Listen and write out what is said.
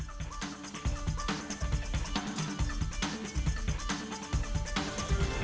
jangan cempol sitter lu kan